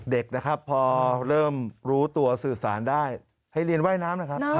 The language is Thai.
เด็กนะครับพอเริ่มรู้ตัวสื่อสารได้ให้เรียนว่ายน้ำนะครับ